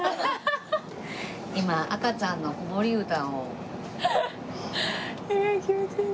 今赤ちゃんの子守歌を。